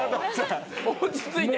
落ち着いて。